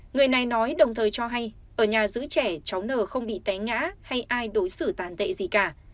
người này nói đồng thời cho hay ở nhà giữ trẻ cháu n không bị té ngã hay ai đối xử tàn tệ gì cả